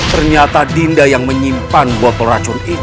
ternyata dinda yang menyimpan botol racun itu